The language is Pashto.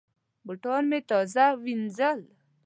بوټان مې تازه وینځل.